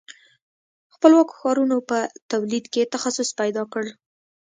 خپلواکو ښارونو په تولید کې تخصص پیدا کړ.